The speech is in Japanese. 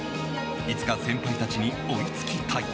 いつか先輩たちに追いつきたい。